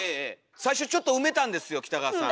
最初ちょっと埋めたんですよ北川さん。